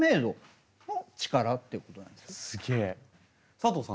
佐藤さん